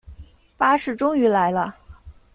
巴士终于来了